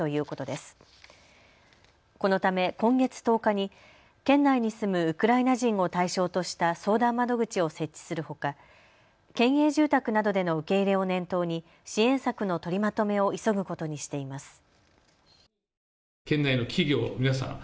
このため今月１０日に県内に住むウクライナ人を対象とした相談窓口を設置するほか県営住宅などでの受け入れを念頭に支援策の取りまとめを急ぐことにしています。